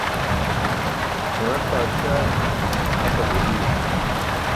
Hunar paadsaa, aqal waziir.